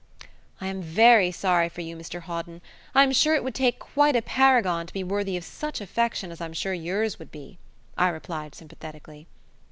"I am very sorry for you, Mr Hawden. I'm sure it would take quite a paragon to be worthy of such affection as I'm sure yours would be," I replied sympathetically.